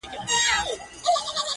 د جانان دي زکندن دی د سلګیو جنازې دي -